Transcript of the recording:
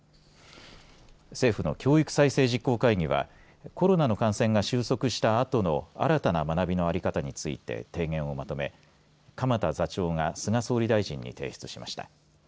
政府の教育再生実行会議はコロナの感染が収束したあとの新たな学びの在り方について提言をまとめ鎌田座長が菅総理大臣に提出しました。